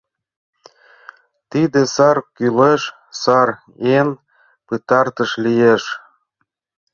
Тиде сар Кӱлеш сар Эн пытартыш лиеш!